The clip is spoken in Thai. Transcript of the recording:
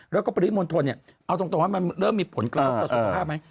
แล้วก็ปริมณฑลเนี่ยเอาตรงว่ามันเริ่มมีผลกระทบต่อสุขภาพไหม